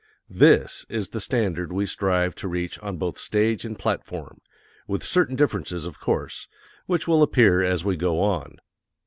This is the standard we strive to reach on both stage and platform with certain differences, of course, which will appear as we go on.